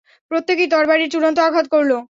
প্রত্যেকেই তরবারীর চূড়ান্ত আঘাত করল।